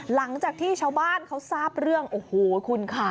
หลังจากที่ชาวบ้านเขาทราบเรื่องโอ้โหคุณค่ะ